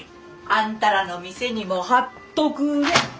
あんたらの店にも貼っとくれ。